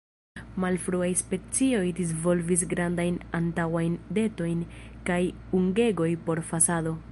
Malfruaj specioj disvolvis grandajn antaŭajn dentoj kaj ungegoj por fosado.